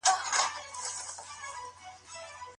هغه خبره اثر لري.